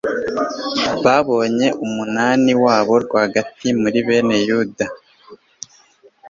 babonye umunani wabo rwagati muri bene yuda